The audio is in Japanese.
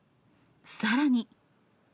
さらに。